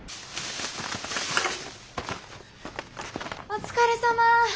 お疲れさま。